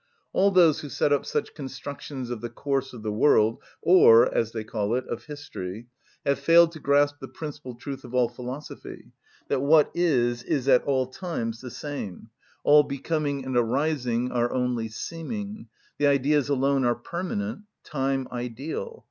All those who set up such constructions of the course of the world, or, as they call it, of history, have failed to grasp the principal truth of all philosophy, that what is is at all times the same, all becoming and arising are only seeming; the Ideas alone are permanent; time ideal.